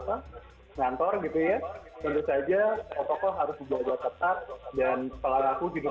tentu saja protokol harus juga tetap dan pelanggan aku hidup hidup dan sehat juga harus terus dijalankan